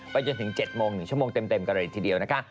จนถึง๗โมง๑ชั่วโมงเต็มกันเลยทีเดียวนะคะ